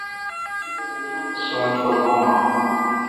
سوات پر بون آں؟